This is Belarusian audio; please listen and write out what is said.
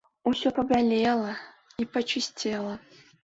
Усё пабялела і пачысцела.